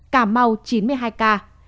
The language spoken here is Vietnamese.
cà mau chín mươi hai ca